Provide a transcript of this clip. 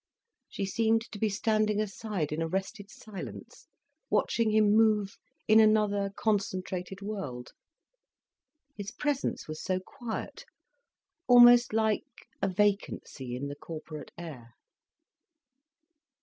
She seemed to be standing aside in arrested silence, watching him move in another, concentrated world. His presence was so quiet, almost like a vacancy in the corporate air.